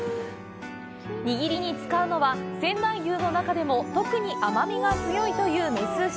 握りに使うのは、仙台牛の中でも特に甘味が強いという雌牛。